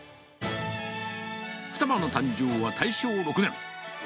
冨多葉の誕生は大正６年。